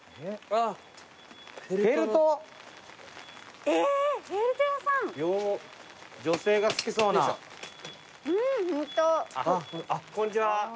あっこんにちは。